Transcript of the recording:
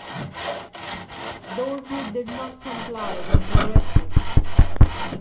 Those who did not comply were arrested.